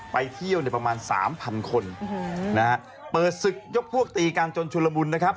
ไปเที่ยวเนี่ยประมาณสามพันคนนะฮะเปิดศึกยกพวกตีกันจนชุลมุนนะครับ